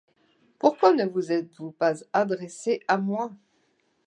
Pourquoi ne vous êtes-vous pas adressée à moi?